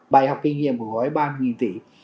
bài học kinh nghiệm của gói ba mươi tỷ